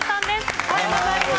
おはようございます。